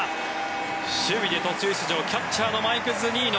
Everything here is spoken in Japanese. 守備で途中出場キャッチャーのマイク・ズニーノ。